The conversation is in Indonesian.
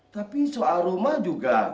tapi soal rumah juga